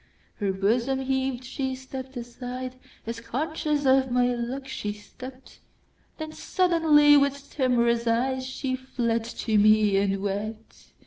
Her bosom heaved—she stepp'd aside, As conscious of my look she stept—Then suddenly, with timorous eyeShe fled to me and wept.